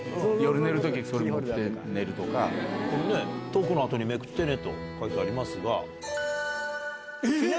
「トークの後にめくってね」と書いてありますが。